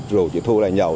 rủ chị thu lại nhậu